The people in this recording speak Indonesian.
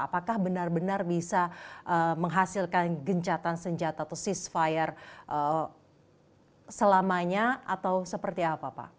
apakah benar benar bisa menghasilkan gencatan senjata atau sisfire selamanya atau seperti apa pak